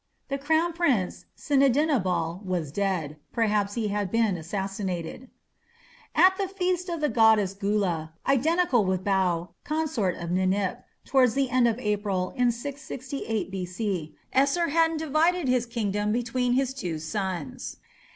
The crown prince Sinidinabal was dead: perhaps he had been assassinated. At the feast of the goddess Gula (identical with Bau, consort of Ninip), towards the end of April in 668 B.C., Esarhaddon divided his empire between two of his sons.